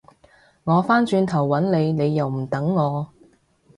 我返轉頭搵你，你又唔等我